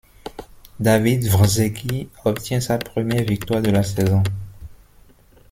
David Vršecký obtient sa première victoire de la saison.